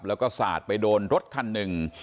แล้วก็สาดไปโดนรถคันหนึ่ง